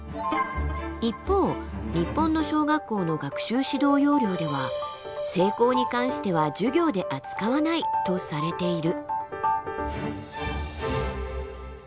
一方日本の小学校の学習指導要領では性交に関しては授業で扱わないとされている。